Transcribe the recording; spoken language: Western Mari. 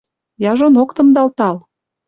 Яжонок тымдалтал.